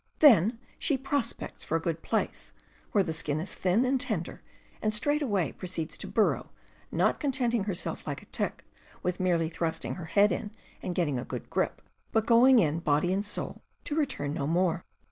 Then she pros pects for a good place, where the skin is thin and tender, and straightway proceeds to burrow, not contenting herself, like a tick, with merely thrusting her head in and getting a good grip, but going in body and soul, to return no more.